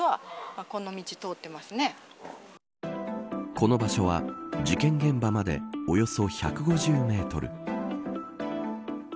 この場所は事件現場までおよそ１５０メートル。